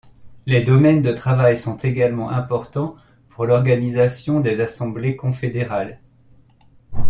Les domaines de travail sont également importants pour l'organisation des Assemblées confédérales.